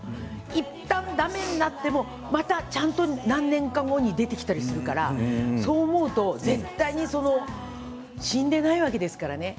いったんだめになってもまたちゃんと何年後かに出てきたりするからそう思うと絶対に死んでいないんですからね。